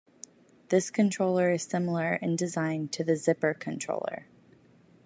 This controller is similar in design to the Zipper controller.